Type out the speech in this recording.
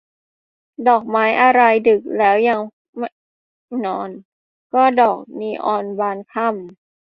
ดอกไม้อะไรดึกแล้วยังไม่นอน ก็ดอกนีออนบานค่ำ